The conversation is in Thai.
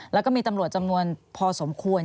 แล้วก็มีตำรวจจำนวนพอสมควร